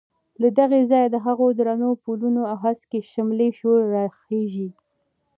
له دغه ځایه د هغو درنو پلونو او هسکې شملې شور راخېژي.